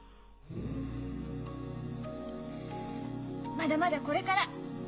まだまだこれから！